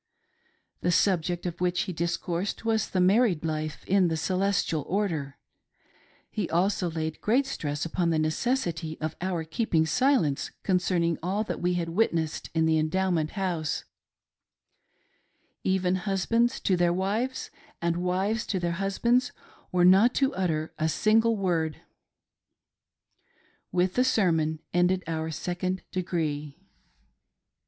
The subject of which he discoursed was the married life in the " Celestial Order ;" he also laid great stress upon the necessity of our keeping silence concerning all that we had witnessed in the Endow ment House — even husbands to their wives, and wives to their husbands were not to utter a single word. With the sermon ended our " Second Degree."